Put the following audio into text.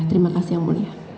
terima kasih yang mulia